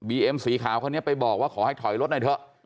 เอ็มสีขาวคนนี้ไปบอกว่าขอให้ถอยรถหน่อยเถอะ